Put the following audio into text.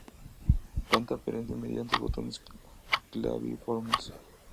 Planta perenne mediante botones claviformes.